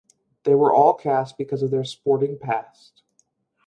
They were all cast because of their sporting past.